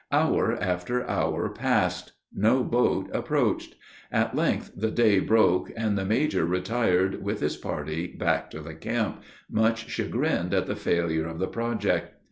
Hour after hour passed. No boat approached. At length the day broke, and the major retired with his party back to the camp, much chagrined at the failure of the project.